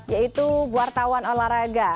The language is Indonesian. yaitu wartawan olahraga